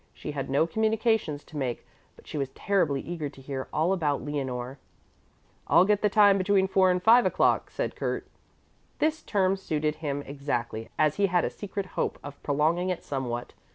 She had no communications to make but she was terribly eager to hear all about Leonore. "I'll get the time between four and five o'clock," said Kurt. This term suited him exactly, as he had a secret hope of prolonging it somewhat.